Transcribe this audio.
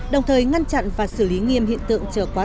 đồng thời ngăn chặn và xử lý nghiêm hiện tượng chức năng tỉnh sơn la